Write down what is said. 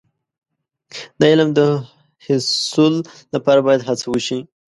د علم د حصول لپاره باید هڅه وشي.